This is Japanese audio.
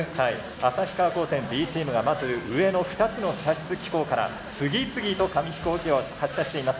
旭川高専Ｂチームがまず上の２つの射出機構から次々と紙飛行機を発射しています。